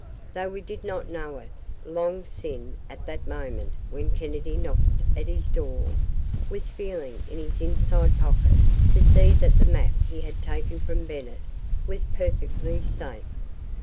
Though we did not know it, Long Sin, at the moment when Kennedy knocked at his door, was feeling in his inside pocket to see that the map he had taken from Bennett was perfectly safe.